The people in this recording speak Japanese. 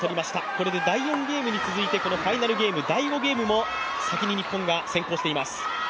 これで第４ゲームに続いて、ファイナルゲーム第５ゲームも先に日本が先行しています。